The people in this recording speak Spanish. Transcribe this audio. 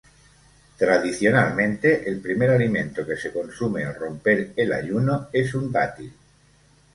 Tradicionalmente, el primer alimento que se consume al romper el ayuno es un dátil.